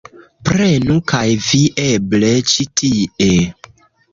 Prenu kaj vi eble ĉi tie